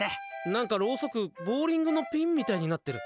なんかロウソク、ボウリングのピンみたいになってる。